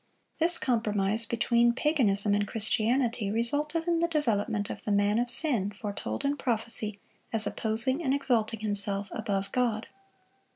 This compromise between paganism and Christianity resulted in the development of the "man of sin" foretold in prophecy as opposing and exalting himself above God.